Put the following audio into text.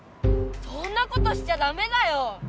そんなことしちゃダメだよ！